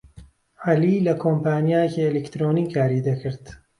عەلی لە کۆمپانیایەکی ئەلیکترۆنی کاری دەکرد.